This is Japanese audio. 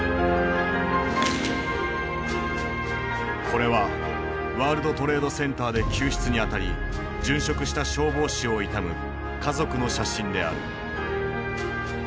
これはワールドトレードセンターで救出に当たり殉職した消防士を悼む家族の写真である。